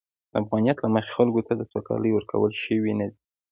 د افغانیت له مخې، خلکو ته سوکالي ورکول شوې نه ده.